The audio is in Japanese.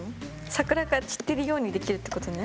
桜が散ってるようにできるってことね。